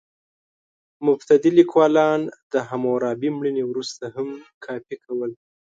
مبتدي لیکوالان د حموربي مړینې وروسته هم کاپي کول.